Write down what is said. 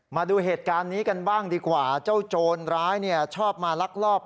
มาดูเหตุการณ์นี้กันบ้างดีกว่าเจ้าโจรร้ายเนี่ยชอบมาลักลอบ